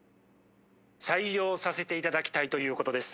「採用させていただきたいということです」。